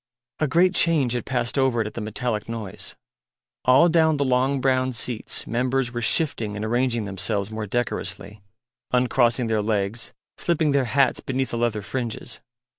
A great change had passed over it at the metallic noise. All down the long brown seats members were shifting and arranging themselves more decorously, uncrossing their legs, slipping their hats beneath the leather fringes.